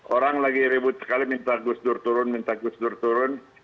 orang lagi ribut sekali minta gus dur turun minta gus dur turun